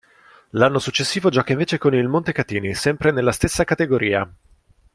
L'anno successivo gioca invece con il Montecatini, sempre nella stessa categoria.